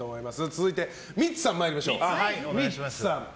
続いて、ミッツさん参りましょう。